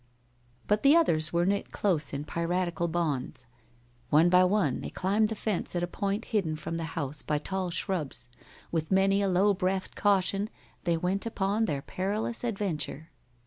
But the others were knit close in piratical bonds. One by one they climbed the fence at a point hidden from the house by tall shrubs. With many a low breathed caution they went upon their perilous adventure.